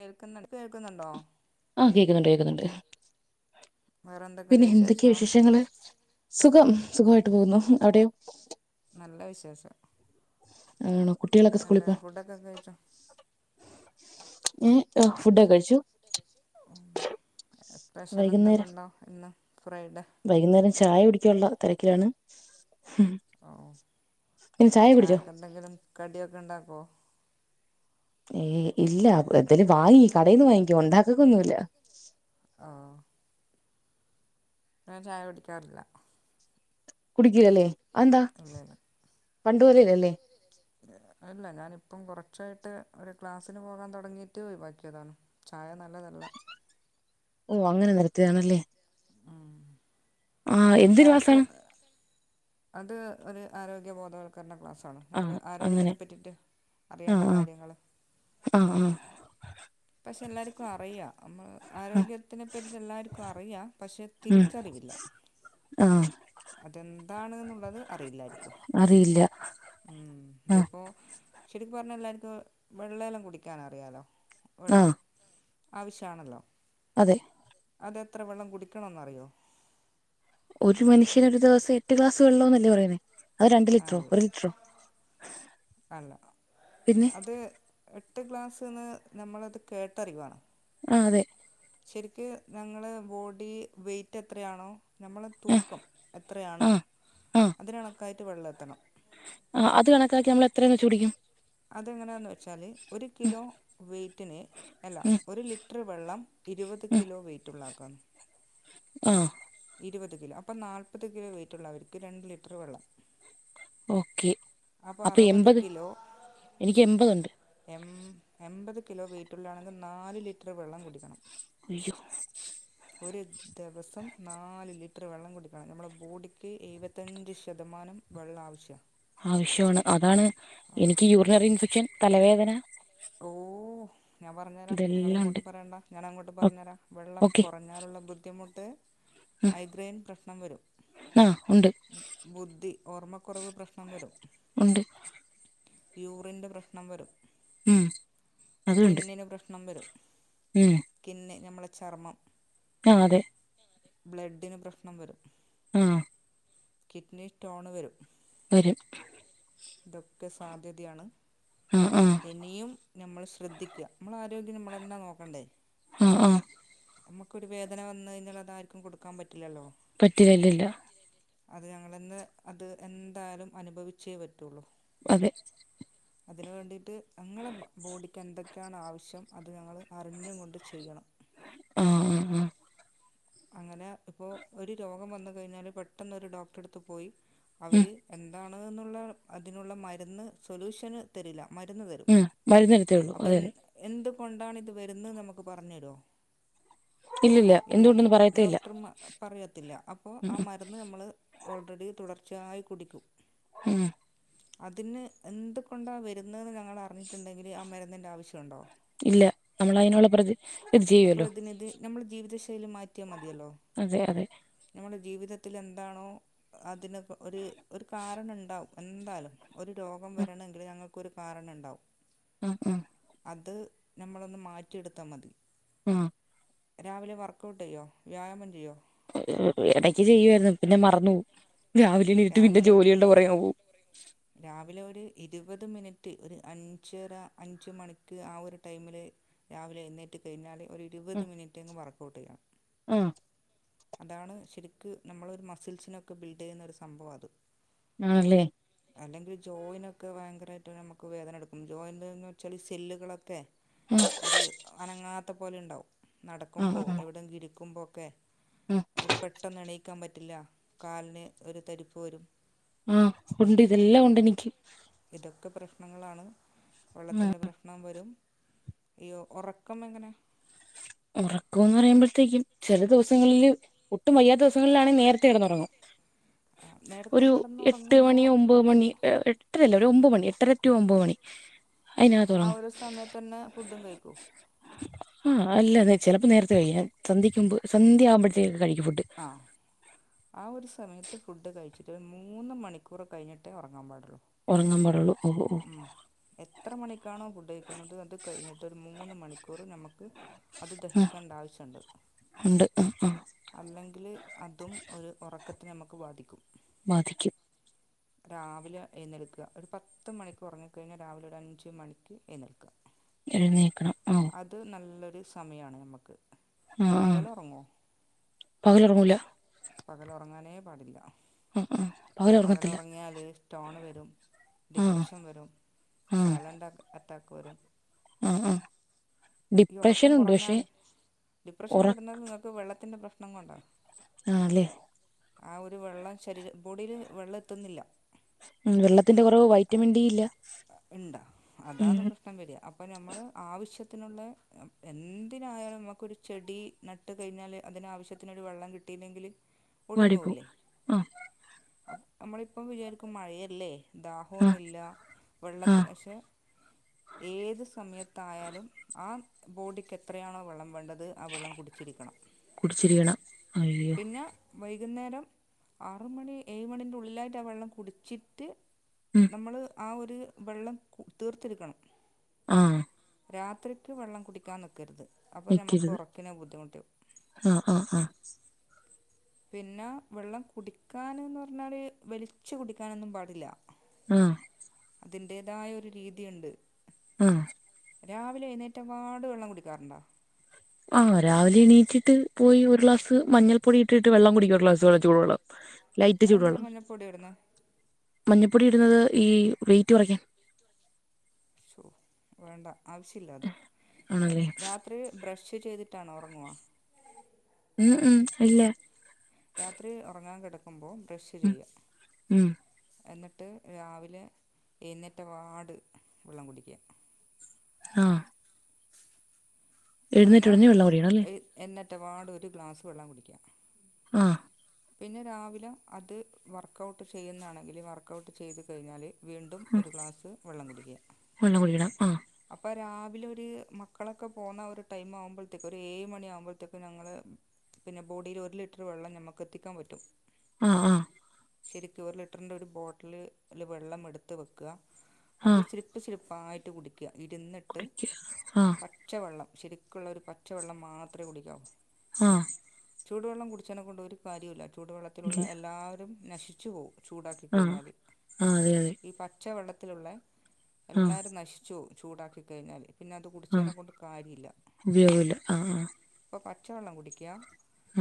കേൾക്കുന്നുണ്ട്, കേൾക്കുന്നുണ്ടോ? ആഹ്, കേൾക്കുന്നുണ്ട് കേൾക്കുന്നുണ്ട്. വേറെ എന്തൊക്കെയുണ്ട് പിന്നെ എന്തൊക്കെയാ വിശേഷം വിശേഷങ്ങള്, സുഖം സുഖായിട്ട് പോകുന്നു അവടെയോ? നല്ല വിശേഷം, ആണോ കുട്ടികളൊക്കെ സ്കൂളിൽ ന്താ പോയോ ഫുഡൊക്കെ കഴിച്ചോ? ഉം ആ ഫുഡ് ഒക്കെ കഴിച്ചു. സ്പെഷ്യൽ എന്തെങ്കും വൈകുന്നേരം ഉണ്ടോ? ഇന്ന് ഫ്രൈഡേ. വൈകുന്നേരം ചായ കുടിക്കാനുള്ള തെരക്കിലാണ്. ഓഹ്, ചായക്ക് എന്തെങ്കിലും കടിയൊക്കെ ഉണ്ടാക്കുവൊ? ഏയ് ഇല്ല എന്തലും വാങ്ങി കടയിന്ന് വാങ്ങിക്കും, ഉണ്ടാക്കതൊന്നുല്ല. ആഹ് ഞാൻ ചായ കുടിക്കാറില്ല. കുടിക്കുകേല്ലേ ആന്താ ഇല്ലല്ല പണ്ടോതുലല്ലേലേ. ഇല്ല ഞാനിപ്പം കുറച്ചായിട്ട് ഒരു ക്ലാസ്സിന് പോകാൻ തുടങ്ങിയിട്ട് ഒഴിവാക്കിയതാണ്. ചായ നല്ലതല്ല. ഓ അങ്ങനെ നിർത്തിയതാണല്ലേ ആഹ് ആഹ് എന്തൊരു ഗ്ലാസാണ് അത് ഒരു ആരോഗ്യ ബോധവൽക്കരണ ക്ലാസ് ആണ്. നമ്മൾ ആഹ് അങ്ങനെ ആരോഗ്യത്തിനെപ്പറ്റിയിട്ട് അറിയേണ്ട ആഹ് ആഹ് കാര്യങ്ങൾ [inaudible] പക്ഷെ എല്ലാവർക്കും അറിയാം നമ്മ ആഹ് ആരോഗ്യത്തിനെ പറ്റി എല്ലാവർക്കും അറിയാം പക്ഷെ ഉം തിരിച്ചറിവില്ല ആഹ്, അതെന്താണ് എന്നുള്ളത് അറിയില്ലായിരിക്കും അറിയില്ല ഉം ഇതി ആഹ് ഇപ്പോൾ ശരിക്ക് പറഞ്ഞ എല്ലാവർക്ക് വെള്ളം എല്ലാം കുടിക്കാൻ അറിയാമലോ വെള്ളം ആഹ് ആവശ്യമാണല്ലോ അതെ അത് എത്ര വെള്ളം കുടിക്കണം എന്ന് അറിയോ? ഒരു മനുഷ്യന് ഒരു ദിവസം എട്ട് ഗ്ലാസ് വെള്ളം എന്നല്ലേ പറയുന്നേ അത് രണ്ട് ലിറ്ററോ അല്ല ഒരു ലിറ്ററോ? അല്ല പിന്നെ അത് എട്ട് ഗ്ലാസ്ന്ന് നമ്മളത് കേട്ടറിവാണ്. ആഹ് അതെ ശരിക്ക് ഞമ്മള് ബോഡി വെയിറ്റ് എത്രയാണോ നമ്മളേ ആ തൂക്കം ആ എത്രയാണോ ആ അതിന് കണക്കായിട്ട് വെള്ളം എത്തണം. ആഹ് അത് കണക്കാക്കി നമ്മൾ എത്രയണോ ചുടിക്ക അതെങ്ങനെയാെന്ന് വെച്ചാൽ ഒരു കിലോ വെയിറ്റിന് അല്ല ഉം ഒരു ലിറ്റർ വെള്ളം ഇരുപത് കിലോ വെയിറ്റ് ഉള്ള ആൾക്കാണ്. ആഹ് ഇരുപത് കിലോ അപ്പം നാല്പ്പത് കിലോ വെയിറ്റ് ഉള്ളവര്ക്ക് രണ്ട് ലിറ്റർ വെള്ളം. ഓക്കെ അപ്പൊ അറുപത് കിലോ എനിക്ക് എമ്പതു ഉണ്ട്. എം എൺപത് കിലോ വെ യിറ്റുള്ള അൾ ആണെങ്കിൽ നാല് ലിറ്റർ വെള്ളം കുടിക്കണം. [unintelligible] ഒരു ദിവസം നാല് ലിറ്റർ വെള്ളം കുടിക്കണം നമ്മുടെ ബോഡിക്ക് എഴുപത്തഞ്ച് ശതമാനം വെള്ളാവശ്യ ആവശ്യമാണ് അതാണ് എനിക്ക് യൂറിനറി ഇൻഫെക്ഷൻ തലവേദന ഓഹ് ഞാൻ പറഞ്ഞുതരാം ഇതെല്ലാം ഉണ്ട് നിങ്ങളിങ്ങോട്ട് പറയണ്ട ഞാന അങ്ങോട്ട് പറഞ്ഞുതരാം. വെള്ളം ഓക്കെ കുറഞ്ഞാലുള്ള ബുദ്ധിമുട്ട് മൈഗ്രെൻ പ്രശ്നം വരും. ആ ഉണ്ട് ബുദ്ധി ഓർമ്മക്കുറവ് പ്രശ്നം വരും. ഉണ്ട്. യുറിന്റെ പ്രശ്നം വരും. ഉം അത് ഉണ്ട് സ്കിന്നിന് പ്രശ്നം വരും. ഉം സ്കിന്ന് നമ്മളെ ചർമ്മം ആ അതെ ബ്ലഡിന് പ്രശ്നം വരും. ഉം കിഡ്നി സ്ടോണ് വരും. വരും. ഇതൊക്കെ സാധ്യതയാണ്. ആ ആ ഇനിയും നമ്മൾ ശ്രദ്ധിക്ക നമ്മൾ ആരോഗ്യം നമ്മള്നോ നോക്കണ്ടേ? ആഹ് ആഹ് നമ്മുക്കൊരു വേദന വന്ന്കയിഞ ആർക്കും കൊടുക്കാൻ പറ്റില്ലല്ലോ പറ്റി എല്ലില്ല. അത് ഞങ്ങളന്ന് അത് എന്തായാലും അനുഭവിച്ചേ പറ്റൊള്ളൂ. അതെ അതിന് വേണ്ടിയിട്ട് ഞങ്ങളെ ബോഡിക്ക് എന്തൊക്കെയാണ് ആവശ്യം അത് ഞങ്ങൾ അറിഞ്ഞും കൊണ്ട് ചെയ്യണം ആഹ് ആ ഹ്ആഹ് അങ്ങനെ ഇപ്പോൾ ഒരു രോഗം വന്ന് കഴിഞ്ഞാല് പെട്ടന്ന് ഒരു ഡോക്ടറെ അടുത്ത് പോയി. ഉം അവര് എന്താണ്ന്നുള്ള അതിനുള്ള മരുന്ന് സൊല്യൂഷന് തരില്ല മരുന്ന് തരും. മ് മരുന്ന്എഴുതിത്തേരുള്ളൂ അതെ അതെ. എന്ത് കൊണ്ടാണ് ഇത് വരുന്ന് നമുക്ക് പറഞ്ഞു തരോ ഇല്ലില്ല ഇല്ല എന്തുകൊണ്ടന്ന് പറയത്തേ ഇല്ല ഡോക്ടർ പറയത്തില്ല അപ്പോൾ ആ മരുന്ന് നമ്മൾ ഓൾറെഡി തുടർച്ചയായി കുടിക്കും. ഉം അതിന് എന്തുകൊണ്ടാ വരുന്നതെന്ന് ഞങ്ങള് അറിഞ്ഞിട്ടുണ്ടെങ്കില് ആ മരുന്നിന്റെ ആവശ്യണ്ടോ? ഇല്ല നമ്മൾ അതിനുള്ള പ്രതി ഇത് അപ്പോൾ ചെയ്യുല്ലോ. ഇതിനിത് നമ്മൾ ജീവിത ശൈലി മാറ്റിയാൽ മതിയല്ലോ? അതെ അതെ നമ്മുടെ ജീവിതത്തിൽ എന്താണോ അതിന് ഒരു ഒരു കാരണം ഉണ്ടാവും. എന്തായാലും ഒരു രോഗം വരണങ്കിൽ ഞങ്ങൾക്കരു കാരണം ഉണ്ടാവും. ഉം ഉം അത് നമ്മളൊന്ന് മാറ്റിയെടുത്താൽ മതി. ഉം രാവിലെ വർക്കഔട്ട് ചെയോ വ്യായാമം ചെയ്യോ. ഇടയ്ക്ക് ചെയ്യുയിരുന്നു പിന്നെ മറന്നു പോവും രാവിലെ എണി ഇരിട്ട് പിന്നെ രാവിലെ ജോലിയുടെ പുറകേ അങ്ങ് പൊവും രാവിലെ ഒരു ഇരുപത് മിനിറ്റ് ഒരു അഞ്ചര അഞ്ച് മണിക്ക് ആ ഒരു ടൈമില്. രാവിലെ എഴ്ന്നേറ്റ് കഴിഞ്ഞാല് ഒരു ഇരുപത് മിനിറ്റ് ങ്ങോട്ട്‌ വർക്കഔട്ട് ചെയ്യാം. ആ ആ അതാണ് ശരിക്ക് നമ്മളൊരു മസിൽസിനൊക്കെ ബിൽഡ് ചെയ്യുന്ന ഒരു സംഭവം അത്. ആണല്ലേ? അല്ലെങ്കിൽ ജോയിനൊക്കെ ഭയങ്കരായിട്ട് നമുക്ക് വേദന എടുക്കും. ജോയിൻന്ന് വെച്ചാല് സെല്ലുകളൊക്കെ ആ ഒരു അനങ്ങാത്ത പോലെ ഉണ്ടാവും. ആ നടക്കുമ്പോ ആ എവിട കിരിക്കുമ്പോ ഒക്കെ. ആ ഒരു പെട്ടെന്ന്ണയിക്കാൻ പറ്റില്ല. കാലിന് ഒരു തരിപ്പ് വരും. ആഹ് ഉണ്ട് ഇതെല്ലാം ഉണ്ട് എനിക്ക്. ഇതൊക്കെ പ്രശ്നങ്ങളാണ്. ആ വെള്ളത്തിറെ പ്രശ്നം വരും. ഈ ഒറക്കം എങ്ങനെ ഉറക്കംന്ന് പറയുമ്പോഴത്തേക്കും ചെല ദിവസങ്ങളില് ഒട്ടും വയ്യാത്ത ദിവസങ്ങളിലാണെങ്കിൽ നേരത്തെ കെടന്നുറങ്ങും നേരത്തെ ഒരു എട്ട് മണി കിടന്നുറങ്ങുമ്പോൾ ഒമ്പത് മണി എട്ടരല്ല ഒരു ഒമ്പ മണി എട്ടരറ്റു ഒമ്പ മണി അതിനകത്ത് ഉറങ്ങും ആഹ് ഒരു സമയത്ത് തന്നെ ഫുഡും കഴിക്കൂ ആഹ് അല്ല ചെലപ്പോൾ നേരത്തെ കഴി സന്ധ്യ ക്ക് മുമ്പ് സന്ധ്യ ആവുമ്പഴത്തേക്ക് കഴിക്കും ഫുഡ് ആഹ് ആ ഹ് ഒരു സമയത്ത് ഫുഡ് കഴിച്ചിട്ട് ഒരു മൂന്ന് മണിക്കൂർ കഴിഞ്ഞിട്ടേ ഒറങ്ങാൻ പാടുള്ളോ ഒറങ്ങാംമ്പടള്ളോ എത്ര മണിക്കാണോ ഫുഡ്ഴിക്കുന്നത് അത് കഴിഞ്ഞിട്ട് ഒരു മൂന്ന് മണിക്കൂറ് നമുക്ക് അത് ആഹ് ദഹിക്കേണ്ട ആവശ്യണ്ട് ഉണ്ട് ആ ഹ് ആഹ് അല്ലെങ്കിൽ അതും ഒരു ഉറക്കത്തിനെ നമുക്ക് ബാധിക്കും ബാധിക്കും രാവിലെ ഏഴുന്നെൽക്ക ഒരു പത്ത് പത്ത് മണിക്ക് ഉറങ്ങിക്കഴിഞ്ഞാൽ രാവിലെ ഒരു അഞ്ച് മണിക്ക് എഴുന്നേൽക്ക എഴുന്നേൽക്കണം ആഹ് അത് നല്ലൊരു സമയാണ് നമുക്ക് ആഹ് ആഹ് പകല ഉറങ്ങോ പകലുറങ്ങൂല പകല ഉറങ്ങാനേ പാടില്ല ഉം ഉം പകന ഉറങ്ങത്തില്ല കഴിഞ്ഞാൽ സ്റ്റോൺ വരും ഡിപ്രഷൻ വരും സൈലൻറ് അറ്റാക്ക് വരും ഉം ഉം ഈ ഉറക്കം കുറഞ്ഞാൽ ഡിപ്രഷൻ ഉറ വരുന്നത് നിങ്ങൾക്ക് വെള്ളത്തിൻ്റെ പ്രശ്നം പ്രഷ്ണം കൊണ്ടോ ആല്ലേ ആ ഒരു വെള്ളം ശ ബോഡിയില് വെള്ളം എത്തുന്നില്ല ഉം വെള്ളത്തിന്റെ കുറവ് വൈറ്റമിൻ ഡി ഇല്ല ഇണ്ടാ ഉം അതാന്ന് പ്രശ്നം ഇഷൻ വരിക അപ്പോം നമ്മൾ ആവശ്യത്തിനുള്ള എന്തിനായാലും നമുക്കൊരു ചെടി നട്ട് കഴിഞ്ഞാൽ അതിന ആവശ്യത്തിനൊരു വെള്ളം കിട്ടിയില്ലെങ്കിൽ പൊട്ടിഞ്ഞു വാടിപ്പോവും പോകില്ലേ ആഹ് നമ്മളിപ്പം വിചാരിക്കും മഴയല്ലേ ആഹ് ദാഹമൊന്നുമില്ല വെള്ളത്തി ആഹ് പക്ഷെ ഏത് സമയത്തായാലും ആ ബോഡിക്ക് എത്രയാണോ വെള്ളം വേണ്ടത് ആ വെള്ളം കുടിച്ചിരിക്കണം കുടിച്ചിരിക്കണം അയ്യോ പിന്നെ വൈകുന്നേരം ആറുമണി ഏഴ് മണി്റെ ഉള്ളിലായിട്ട് ആ വെള്ളം കുടിച്ചിട്ട് ഉം നമ്മള് ആ ഒരു വെള്ളം തീർത്തിടുക്കണം ആ രാത്രിക്ക് വെള്ളം കുടിക്കാൻ നിൽക്കരുത് അപ്പൊ നഞമ്മക്ക് നിക്കരുത് ഉറക്കിന ബുദ്ധിമുട്ടും ആഹ് ആഹ് ആഹ് പിന്നെ വെള്ളം കുടിക്കൻന്ന് പറഞ്ഞാൽ വെളിച്ചച്ച് കുടിക്കാനൊന്നും പാടില്ല ആഹ അതിന്റേതായ ഒരു രീതിയുണ്ട് ആഹ രാവിലെ എഴുന്നേറ്റംപാട് വെള്ളം കുടിക്കാറുണ്ടോ ആഹ രാവിലെ എണീറ്റിട്ട് പോയി ഒരു ഗ്ലാസ്ഞ്ഞൾ പൊടി ഇട്ടിട്ട് വെള്ളം കുടിക്ക ഒരു ഗ്ളാസ്ളൂടുള്ളൂ ഉ ലൈറ്റ് ചൂടുള്ളൂ മഞ്ഞപ്പൊടി ഇടുന്നത് ഈ വെയറ്റ് കുറയ്ക്കൻ ഓ വേണ്ട ആവശ്യില്ല അത് രാ ആണല്ലേ രാത്രി ബ്രഷ് ചെയ്തിട്ടാണോ ഉറങ്ങുവുക ഉം ഉം ഇല്ല. രാത്രി ഉറങ്ങാൻ കിടക്കുമ്പോൾ ബ്രഷ് ഉം ചെയ്യുക. ഉം എന്നിട്ട് രാവിലെ എഴുന്നേറ്റ പാട് വെള്ളം കുടിക്ക.. ആ എഴുന്നേറ്റ പിന്നെ ഉടനെ വെള്ളം കുടിക്കണം അല്ലേ എഴുന്നേറ്റപാട് ഒരു ഗ്ലാസ്സ് വെള്ളം കുടിക്ക. മ് പിന്നെ രാവിലെ അത് വർക്കഔട്ട് ചെയ്യുന്നാണെങ്കിൽ വർക്കഔട്ട് ചെയ്ത് കഴിഞ്ഞാൽ. വീണ്ടും ഒരു ഗ്ലാസ്സ് വെള്ളം കുടിക്ക. വെള്ളം കുടിക്കണം ആഹ് അപ്പ രാവിലെ ഒരു മക്കളൊക്കെ പോകുന്ന ഒരു ടൈം ആകുമ്പോഴത്തേക്കും ഒരു ഏഴ് മണിയ ആകുമ്പോഴത്തേക്കും ഞങ്ങൾ. പിന്നെ ബോഡിൽ ഒരു ലിറ്റർ വെള്ളം നമുക്ക് എത്തിക്കാൻ പറ്റും. ആ ആ ശെരിക്ക് ഒരു ലിറ്ററിന്റെ ഒരു ബോട്ടില് വെള്ളം എടുത്ത് വെക്ക അത് ആഹ് ഇച്ചി [unintelligible] കുടിക്ക ഇരുന്നിട്ട് കുടിക്ക ആഹ് പ പച്ചവെള്ളം ശരിക്കുള്ള ഒരു പച്ചവെള്ളം മാത്രമേ കുടിക്കാവൂ. ആഹ ചൂടുവെള്ളം കുടി േച്ചനെ കൊണ്ട് ഒരു കാര്യമില്ല ചൂടുവെള്ളത്തിലുള്ള ഇല്ല എല്ലാവരും നശിച്ചു പോവും. ചൂടാക്കി ആഹ് കഴിഞ്ഞാൽ ആഹ് അതെ അതെ ഈ പ പച്ച വെള്ളത്തിലുള്ള ആഹ് എല്ലാരും നശിച്ചു ചൂടാക്കി കഴിഞ്ഞാൽ. പിന്നെ അത് കുടിച്ചേനെ ആഹ് കൊണ്ട് കാര്യല്ല ഉപയോഗമില്ല ആഹ് ആഹ് അപ്പൊ പച്ചവെള്ളം കുടിക്ക.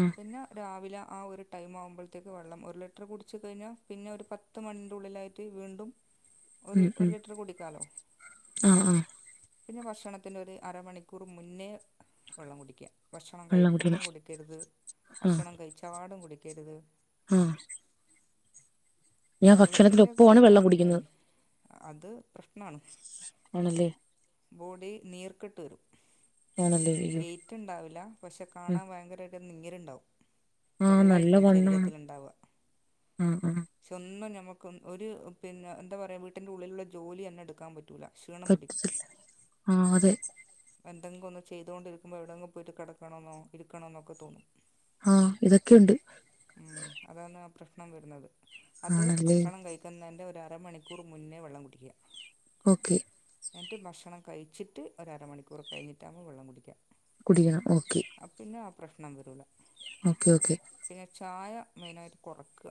ആഹ പിന്നെ രാവില ആ ഒരു ടൈം ആകുമ്പഴത്തേക്ക് വെള്ളം ഒരു ലിറ്റർ കുടിച്ച് കഴിഞ്ഞാൽ പിന്നെ ഒരു പത്ത് മണിൻ്റെ ഉള്ളിലായിട്ട് വീണ്ടും [inaudible] ഒരു ഒരു ലിറ്റർ കുടിക്കാലോ? ആഹ് ആഹ് പിന്നെ ഭക്ഷണത്തി് ന്ഒരു അരമണിക്കൂർ മുന്നേ വെള്ളം കുടിക്ക. ഭക്ഷണം വെള്ളം കഴിക്കുമ്പം കുടിക്കണം കുടിക്കരുത് ഭക്ഷണം കഴിച്ചപാടും കുടിക്കരുത്. ഉം ഭക്ഷണത്തിന്റെ വെള്ളത്തിന്റെ ഒപ്പമാണ് വെള്ളം കാര്യാണ് മെയിൻ കുടിക്കുന്നത് അത് പ്രശ്നാണ്. ആണ്ല്ലേ? ബോഡി നീർക്കെട്ട് വരും. ആണ് ല്ലോ? ട്ടുണ്ടാവില്ല പക്ഷെ കാണാൻ ഭയങ്കരാ യിട്ട് നീരുണ്ടാവും. ആഹ് നല്ല വെള്ളായിരിക്കും വണ്ണാണ് ശരീരത്തിലുണ്ടാവ. ആഹ് ആഹ് പക്ഷെ ഒന്നും നമുക്ക് ഒരു പിന്നെ എന്താ പറയാ വീട്ടിന്റെ ഉള്ളിലുള്ള ജോലി തന്നെ എടുക്കാൻ പറ്റൂല. ക്ഷീണം പിടിക്കും. പറ്റത്തില്ല ആഹ് അതെ എന്തെങ്കിലുംഒന്ന് ചെയ്തോണ്ടിരിക്കുമ്പോ എവിടെങ്കിലും പോയിട്ട് കിടക്കണന്നോ ഇരിക്കണോ എന്നോക്കെ തോന്നും. ആഹ ഇതൊക്കെയുണ്ട്. ഉം അതാണ് ആ പ്രശ്നം വരുന്നത് അത് ആണല്ലേ ഭക്ഷണം കഴ ഴിക്കുന്നതിൻ്റെ ഒരുരമണിക്കൂർ മുന്നേ വെള്ളം കുടിക്ക. ഓക്കെ. എന്നിട്ട് ഭക്ഷണം കഴിച്ചിട്ട് ഒരമണിക്കൂർ കഴിഞ്ഞിട്ടാകുമ്പോൾ വെള്ളം കുടിക്ക. കുടിക്കണം ഓക്കെ. പിന്നെ ആ പ്രശ്നം വരൂല്ല. Okay okay. പിന്നെ ചായ മെയിനായിട്ട് കൊറയ്ക്ക.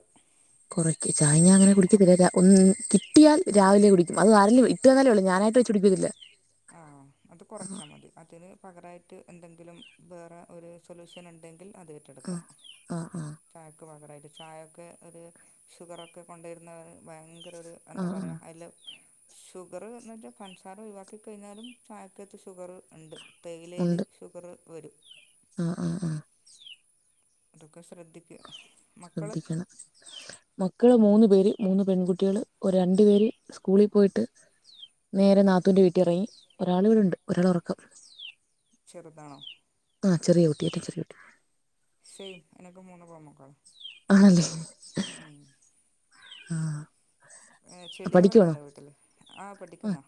കുറയ്ക്ക ചായ ഞാനങ്ങനെ കുടിക്കത്തില്ല ഒന്ന് കിട്ടിയാൽ രാവിലെ കുടിക്കും അത് ആരേലു ഇട്ട് തന്നാലേ ഉള്ളൂ ഞാനായിട്ട് വെച്ച് കുടിക്കത്തില്ല. ആ അത് കുറച്ചാൽ മതി അതിന് പകരായിട്ട് എന്തെങ്കിലും വേറെ ഒരു സൊല്യൂഷൻ ഉണ്ടെങ്കിൽ. അത് ഏറ്റെടുക്കാം. ആഹ് ആഹ് ആഹ് ചായക്ക് പകരമായിട്ട് ചായൊക്കെ ഒരു ഷുഗറൊക്കെ കൊണ്ടുവരുന്ന. ഭയങ്കര ഒരു ആഹ് എന്താ ആഹ് പറയാ ഐല് ഷുഗർന്ന്ച്ചാ പൻസാര ഒയിവാ ക്കഴിഞ്ഞാലും ചായക്കത്ത് ഷുഗറ് ഇണ്ട് തേയിലേല് ഉണ്ട് ഷുഗറ് വരും ആഹ് ആഹ് ആഹ് അതൊക്കെ ശ്രദ്ധി ശ്രദ്ധിക്കണം മക്കള് മൂന്ന് പേര് മൂന്ന് പെൺകുട്ടികള് ഒരു രണ്ടു പേര് സ്കൂളി പോയിട്ട് നേരെ നാത്തൂന്റെ വീട്ടീറങ്ങി ഒരാള് ഇവിടുണ്ട് ഒരാള് ഒറക്കം ചെറുതാണോ ആഹ് ചെറിയകുട്ടി ചെറിയകുട്ടി സെയിം ഞങ്ങക്ക് മൂന്ന് പെമ്മക്കളാ ആണല്ലേ ആഹ് ഏ പഠിക്കുവാണോ ചെടികളൊക്കെണ്ടോ വീട്ടില് ആഹ് പഠിക്കുന്നോ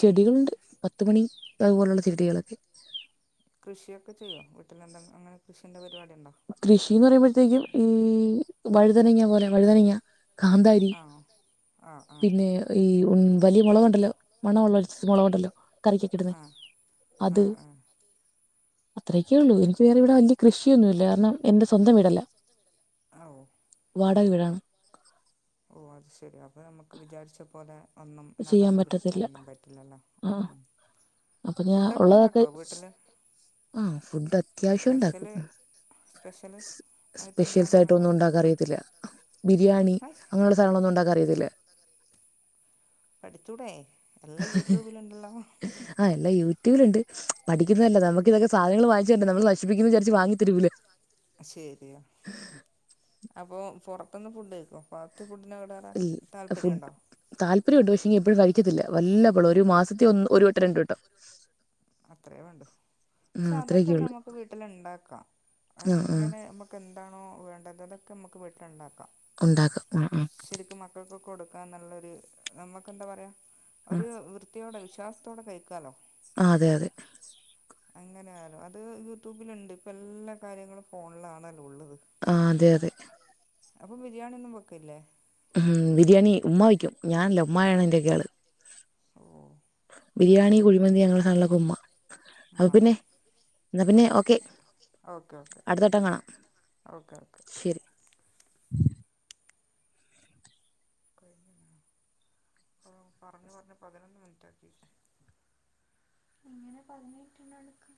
ചെടികള്ണ്ട് പത്തുമണി അതുപോലെള്ള ചെടികളൊക്കെ കൃഷിയൊക്കെ ചെയ്യോ വീട്ടിലെന്തങ്കി അങ്ങനെ കൃഷിന്റെ പരിപാടിണ്ടോ കൃഷിന്ന് പറയുമ്പഴത്തേക്കും ഈ വഴുതനങ്ങ പോലെ വഴുതങ്ങ, കാന്താരി ആണോ? ആ ആ ആ പിന്നെ ഈ ഉ വലിയ മൊളക്ണ്ടല്ലോ മണ്ണ വെള്ളല്ച്ച മുളക്ണ്ടല്ലോ കറിക്കൊക്കേ ഇടുന്നാ ആഹ് ആഹ് ആഹ് അത്രേക്കേള്ളു എനിക്ക് വേറെ ഇവിടെ വല്യ കൃഷിയൊന്നുല്ല കാരണം എന്റെ സ്വന്തം വീടല്ല. ആവു വാടക വിടാണ്. ഓഹ് അത് ശെരി അപ്പം നമ്മക്ക് വിചാരിച്ച പോലെ. ഒന്നും ചെയ്യാൻ നടാനും പറ്റത്തില്ല പിടിക്കാനൊന്നും പറ്റില്ലല്ലോ. അപ്പ ഞാ ഫുഡൊക്കെ ഉള്ളതൊക്കെ ഉണ്ടാക്കുമോ വീട്ടിൽ ഉം ഫുഡ് അത്യാവശ്യം ണ്ടാക്കും. സ്പെഷ്യല് സ്പെഷ്യല് ആയിട്ട് സ്പെഷ്യൽസ് എന്താണ് അങ്ങനെ ആയിട്ടൊന്നും ഉണ്ടാക്കാ ഇട്ടുണ്ട് അറിയത്തില്ല ബിരിയാണി ഹഷ് അങ്ങനെള്ള വേറൊന്നു ന്നുണ്ടാകാൻ അറീലല്ലേ? പഠിച്ചൂടെ എല്ലാം യൂട്യൂബില്ണ്ടല്ലോ ആഹ് എല്ലാ യൂട്യൂബില്ണ്ട് പഠിക്കുന്നതല്ല നമ്ക്ക് ഇതൊക്കെ സധങ്ങള് വങ്ങിച്ച്തരണ്ടെ നമ്മള് നശിപ്പിക്കുന്ന് വിചാരിച്ച് വാങ്ങിതരൂല ശെരിയ അപ്പൊ പൊർത്ത്ന്ന് ഫുഡ് കഴിക്കോ? ഫാസ്റ്റ് ഫു ഇൽ അഫു താല്പര്യണ്ട് പക്ഷെ എപ്പഴും കഴിക്കത്തില്ല വല്ലപ്പളും ഒരു മാസത്തി ഒന്ന് ഒര് വട്ടം രണ്ട് വട്ടം. അത്രേ വാണ്ടു ആ ക്ഷെ അത്രയൊക്കെ അതൊക്കെ ഉള്ളു നമുക്ക് വീട്ടില്ണ്ടാക്കാ ആ ആ അങ്ങനെ നമ്മ പ്പെന്താണോ വേണ്ടത് അതൊക്കെ മ്മക്ക് വീട്ടില്ണ്ടാക്കാ. ഉണ്ടാക്കും മ് മ് മക്കക്ക് കൊടുക്കാന്ന്ള്ളൊര് നമ്മക്കെന്താ പറയാ ആ ഒര് വൃ ത്തിയോടെ വിശ്വാസത്തോടെ കഴിക്കാലോ. ആഹ് അതെ അതെ അങ്ങനെ ആലോ അത് യൂട്യൂബില്ണ്ട് പ്പ എല്ലാ കാര്യങ്ങളും ഫോണിലാണല്ലോ ഉള്ളത്. ആഹ് അതെ അതെ അപ്പൊ ബിരിയാണി ഒന്നും വെക്ക്ല്ലേ? ഉം ബിരിയാണി ഉമ്മ വെയ്ക്കും ഞാനല്ല ഉമ്മയാണെൻ്റെ ഗേള്. ഓഹ് ബിരിയാണി, കുഴിമന്തി അങ്ങനെള്ള സാധനങ്ങളൊക്കെ ഉമ്മാ അഹ് ഉമ്മ പിന്നെ എന്നാ പിന്നെ ഓക്കെ ഓക്കെ ഓക്കെ അടുത്തട്ടം കാണാം. ഓക്കെ ഓക്കെ ശരി ഓഹ് പറഞ്ഞ് പറഞ്ഞ് പതിനൊന്ന് മിനിറ്റാക്കി. ങ്ങനെ പതിനെട്ടെണ്ണട്ക്കാ